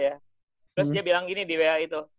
terus dia bilang gini di wa itu